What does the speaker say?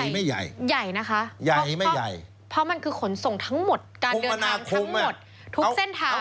ไม่ใหญ่ใหญ่นะคะใหญ่ไม่ใหญ่เพราะมันคือขนส่งทั้งหมดการเดินทางทั้งหมดทุกเส้นทาง